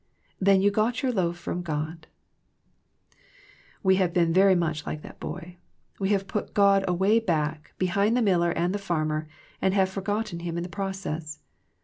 " Then you got your loaf from God !" We have been very much like that boy. We have put God away back, be hind the miller and the farmer, and have forgot ten Him in the process.